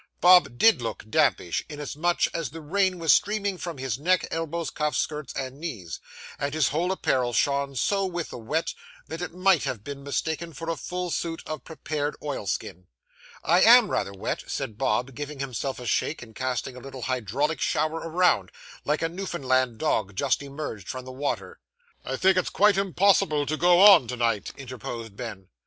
Bob did look dampish, inasmuch as the rain was streaming from his neck, elbows, cuffs, skirts, and knees; and his whole apparel shone so with the wet, that it might have been mistaken for a full suit of prepared oilskin. 'I am rather wet,' said Bob, giving himself a shake and casting a little hydraulic shower around, like a Newfoundland dog just emerged from the water. 'I think it's quite impossible to go on to night,' interposed Ben.